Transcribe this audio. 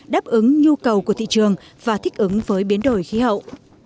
đáp ứng nhu cầu của thị trường và thích ứng với biến đổi khí hậu